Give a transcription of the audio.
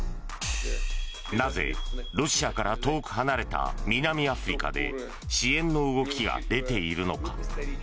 なぜ、ロシアから遠く離れた南アフリカで支援の動きが出ているのか。